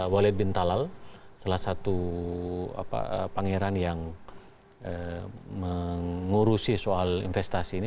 walid bin talal salah satu pangeran yang mengurusi soal investasi ini